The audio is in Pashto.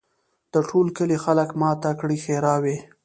د ټول کلي خلک ماته کړي ښراوي